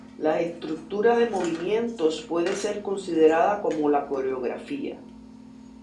La estructura de movimientos puede ser considerada como la coreografía.